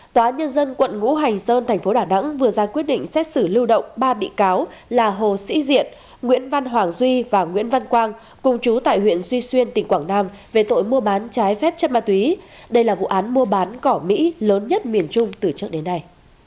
tòa nhân dân quận ngũ hành sơn thành phố đà nẵng vừa ra quyết định xét xử lưu động ba bị cáo là hồ sĩ diện nguyễn văn hoàng duy và nguyễn văn quang cùng chú tại huyện duy xuyên tỉnh quảng nam về tội mua bán trái phép chất ma túy đây là vụ án mua bán cỏ mỹ lớn nhất miền trung từ trước đến nay